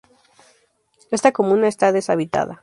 Esta comuna está deshabitada.